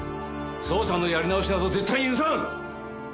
捜査のやり直しなど絶対に許さん！